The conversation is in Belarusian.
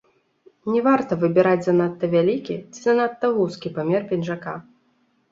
Не варта выбіраць занадта вялікі ці занадта вузкі памер пінжака.